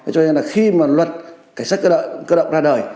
cho nên là khi mà luật cảnh sát cơ động ra đời